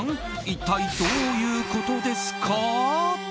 一体どういうことですか？